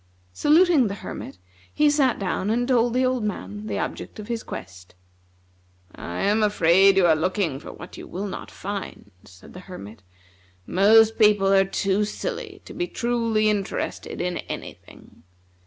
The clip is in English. Saluting the Hermit, he sat down and told the old man the object of his quest. "I am afraid you are looking for what you will not find," said the Hermit. "Most people are too silly to be truly interested in any thing.